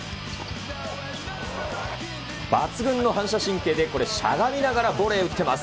抜群の反射神経で、これ、しゃがみながらボレー打ってます。